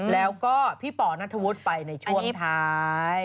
แล้วก็พี่ป่อนัทธวุฒิไปในช่วงท้าย